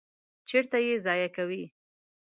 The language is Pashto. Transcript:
چیرته ییضایع کوی؟